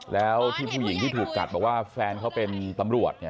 แล้วที่ผู้หญิงที่ถูกกัดบอกว่าแฟนเขาเป็นตำรวจ